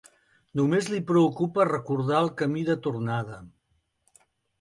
Només li preocupa recordar el camí de tornada.